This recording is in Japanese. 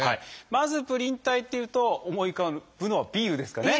まずプリン体っていうと思い浮かぶのはビールですかね。